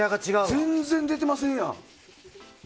全然出てませんやん。